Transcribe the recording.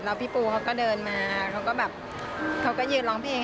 แล้วพี่ปูเขาก็เดินมาเขาก็แบบเขาก็ยืนร้องเพลง